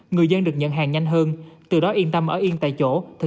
người dân được nhận hàng nhanh hơn từ đó yên tâm ở yên tại chỗ